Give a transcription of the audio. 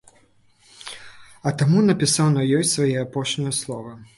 А таму напісаў на ёй свае апошнія словы.